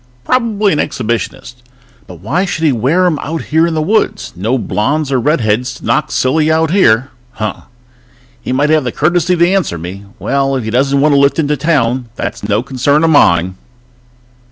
Probably an exhibitionist ... But why should he wear 'em out here in the woods? No blonds or redheads to knock silly out here!_ _Huh! He might have the courtesy to answer me ... Well, if he doesn't want a lift into town it's no concern of mine!